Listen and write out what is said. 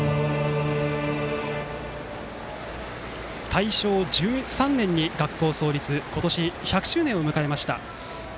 大正１３年に学校創立今年、１００周年を迎えました。